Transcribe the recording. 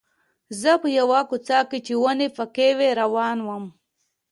زه په یوه کوڅه کې چې ونې پکې وې روان وم.